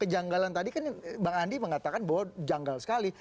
kejanggalan tadi kan bang andi mengatakan bahwa janggal sekali